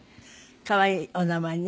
可愛いお名前ね。